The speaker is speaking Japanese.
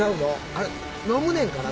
あれ飲むねんからな。